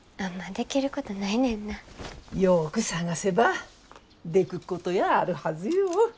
よく探せばでくっことやあるはずよ。